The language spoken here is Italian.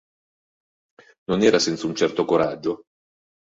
Non era senza un certo coraggio.